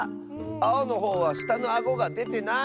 あおのほうはしたのあごがでてない！